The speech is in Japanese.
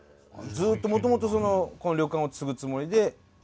ずっともともとこの旅館を継ぐつもりで？